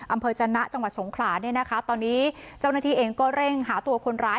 อำเภอจนะจังหวัดสงขลาเนี่ยนะคะตอนนี้เจ้าหน้าที่เองก็เร่งหาตัวคนร้าย